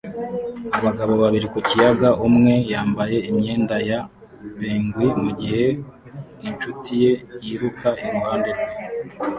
Abagabo babiri ku kiyaga umwe yambaye imyenda ya penguin mugihe inshuti ye yiruka iruhande rwe